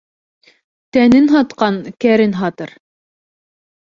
Тәнен һатҡан кәрен һатыр.